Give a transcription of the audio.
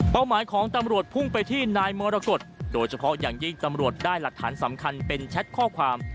หมายของตำรวจพุ่งไปที่นายมรกฏโดยเฉพาะอย่างยิ่งตำรวจได้หลักฐานสำคัญเป็นแชทข้อความ